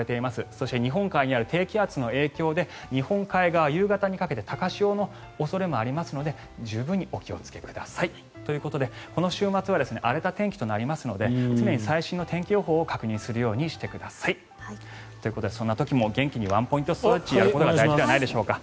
そして、日本海にある低気圧の影響で日本海側、夕方にかけて高潮の可能性もありますので十分にお気をつけください。ということで、この週末は荒れた天気となりますので常に最新の天気予報を確認するようにしてください。ということでそんな時も元気にワンポイントストレッチやっていくことが大事ではないでしょうか。